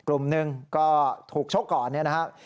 กลุ่มหนึ่งก็ถูกชกก่อนเนี่ยนะครับ